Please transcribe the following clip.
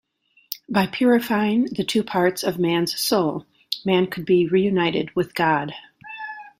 By purifying the two parts of man's soul, man could be reunited with God.